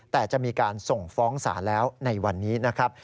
แต่จะมีการส่งฟ้องศาลแล้วในวันนี้นะครับ